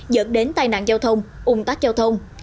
dẫn đến tai nạn giao thông ung tắc giao thông